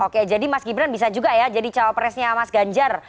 oke jadi mas gibran bisa juga ya jadi cawapresnya mas ganjar